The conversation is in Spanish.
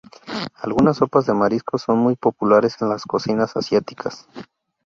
Algunas sopas de mariscos son muy populares en las cocinas asiáticas.